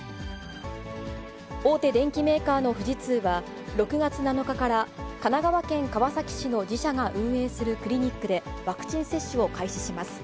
大手電機メーカーの富士通は、６月７日から神奈川県川崎市の自社が運営するクリニックでワクチン接種を開始します。